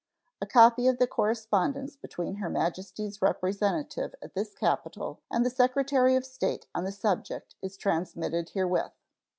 A copy of the correspondence between Her Majesty's representative at this capital and the Secretary of State on the subject is transmitted herewith.